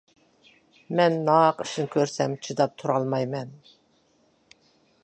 مەن ناھەق ئىشنى كۆرسەم چىداپ تۇرالمايمەن.